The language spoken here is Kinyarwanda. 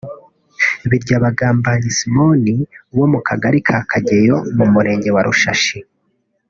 Biryabagambanyi Simoni wo mu Kagari ka Kageyo mu Murenge wa Rushashi